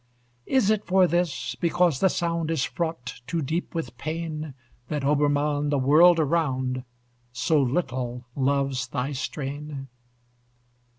Is it for this, because the sound Is fraught too deep with pain, That, Obermann! the world around So little loves thy strain?